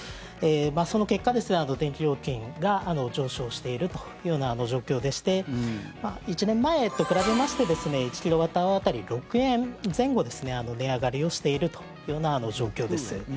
その結果、電気料金が上昇しているというような状況でして１年前と比べまして１キロワットアワー当たり６円前後、値上がりをしているというような状況です。